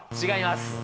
違います。